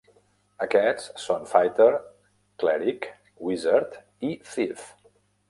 Aquests són Fighter, Cleric, Wizard i Thief.